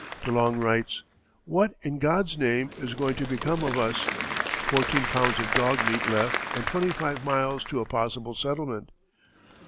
De Long writes: "What, in God's name, is going to become of us? fourteen pounds of dog meat left and twenty five miles to a possible settlement....